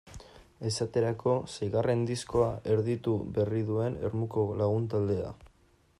Esaterako, seigarren diskoa erditu berri duen Ermuko lagun taldea.